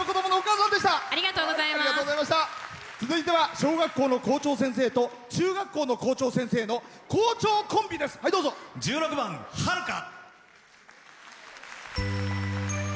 続いては小学校の校長先生と中学校の校長先生の１６番「遥か」。